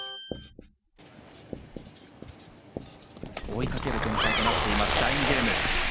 追いかける展開となっている第２ゲーム。